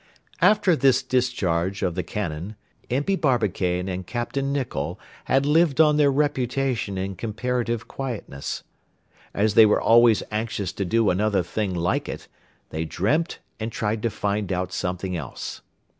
After this discharge of the cannon, Impey Barbicane and Capt. Nicholl had lived on their reputation in comparative quietness. As they were always anxious to do another thing like it, they dreamt and tried to find out something else.